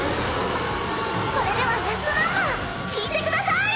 それではラストナンバー聞いてください